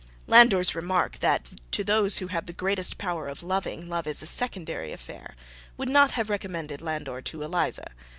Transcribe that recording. Landor's remark that to those who have the greatest power of loving, love is a secondary affair, would not have recommended Landor to Eliza.